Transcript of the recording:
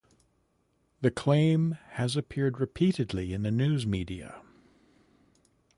The claim has appeared repeatedly in the news media.